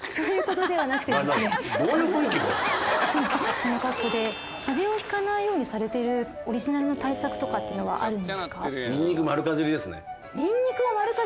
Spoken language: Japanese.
その格好で風邪をひかないようにされてるオリジナルの対策とかっていうのはあるんですか？